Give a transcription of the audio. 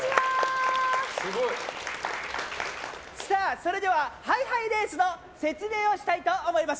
それではハイハイレースの説明をしたいと思います。